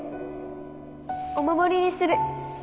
お守りにする